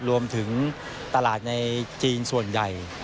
รวมถึงตลาดในจีนส่วนใหญ่